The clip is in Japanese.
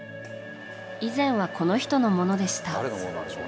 以前はこの人のものでした。